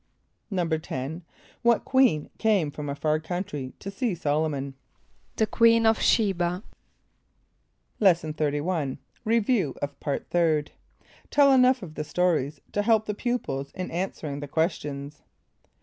= =10.= What queen came from a far country to see S[)o]l´o mon? =The Queen of Sh[=e]´b[.a].= Lesson XXXI. Review of Part Third. (Tell enough of the stories to help the pupils in answering the questions.)